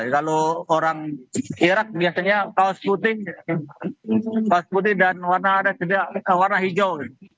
kalau orang iraq biasanya kaos putih dan warna ada sedikit warna hijau